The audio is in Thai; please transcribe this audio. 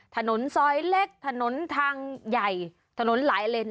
ถนนซอยเล็กถนนทางใหญ่ถนนหลายเลน